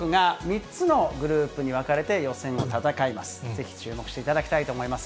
ぜひ注目していただきたいと思います。